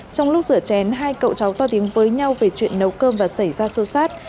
trong lúc rửa chén hai cậu cháu to tiếng với nhau về chuyện nấu cơm và xảy ra xô xát